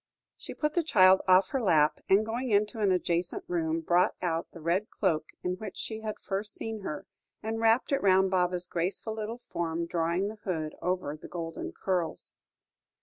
She put the child off her lap, and, going into an adjacent room, brought out the red cloak in which she had first seen her, and wrapped it round Baba's graceful little form, drawing the hood over the golden curls.